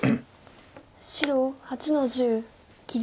白８の十切り。